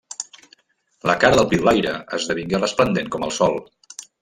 La cara del pidolaire esdevingué resplandent com el sol.